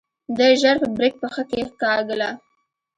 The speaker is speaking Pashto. ده ژر په بريک پښه کېکاږله.